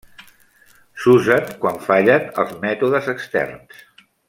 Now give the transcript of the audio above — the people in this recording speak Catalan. S'usen quan fallen els mètodes externs.